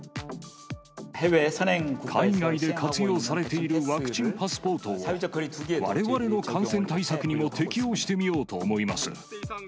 海外で活用されているワクチンパスポートを、われわれの感染対策にも適用してみようと思います。